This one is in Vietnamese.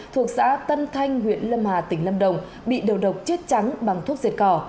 hai trăm chín mươi hai thuộc xã tân thanh huyện lâm hà tỉnh lâm đồng bị đầu độc chết trắng bằng thuốc diệt cỏ